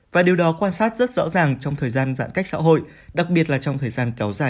và điều đó quan sát rất rõ ràng trong thời gian giãn cách xã hội đặc biệt là trong thời gian kéo dài